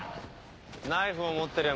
ナイフを持ってりゃ